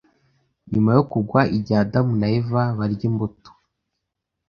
nyuma yo kugwa IgiheAdamu na Eva barya imbuto